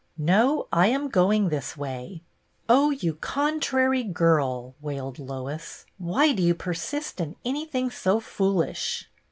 " No, I am going this way." " Oh, you contrary girl," wailed Lois. " Why do you persist in anything so foolish